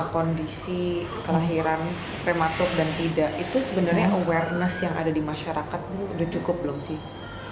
kondisi kelahiran prematur dan tidak itu sebenarnya awareness yang ada di masyarakat itu udah cukup belum sih